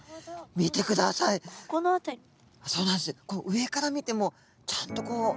上から見てもちゃんとこう。